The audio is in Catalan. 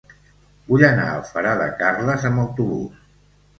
Vull anar a Alfara de Carles amb autobús.